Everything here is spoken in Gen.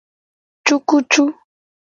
Cukucu.